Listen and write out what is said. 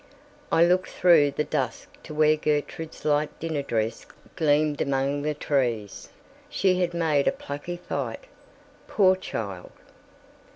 I looked through the dusk to where Gertrude's light dinner dress gleamed among the trees. She HAD made a plucky fight, poor child.